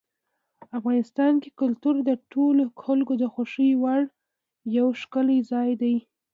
افغانستان کې کلتور د ټولو خلکو د خوښې وړ یو ښکلی ځای دی.